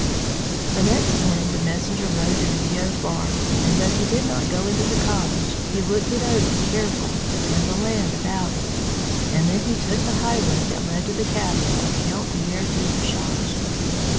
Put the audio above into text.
The next morning the messenger rode to the Viaud farm, and, though he did not go into the cottage, he looked it over carefully and the land about it; and then he took the highway that led to the castle of Count Pierre de Bouchage.